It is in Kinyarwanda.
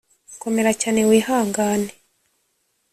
komera cyane wihangane